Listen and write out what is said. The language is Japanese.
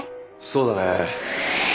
そうだね。